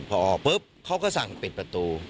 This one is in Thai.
พอออกปุ๊บเขาก็สั่งปิดประตู